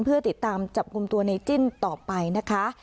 เพื่อติดตามจับกลุ่มตัวในจิ้นต่อไปนะคะ